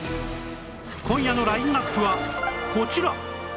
今夜のラインアップはこちら